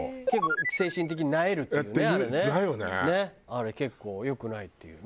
あれ結構良くないっていうよね。